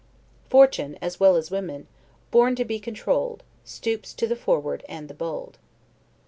Fortune (as well as women) " born to be controlled, Stoops to the forward and the bold."